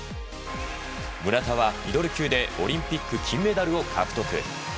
村田はミドル級でオリンピック金メダルを獲得。